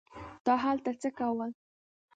تا هلته څه کول.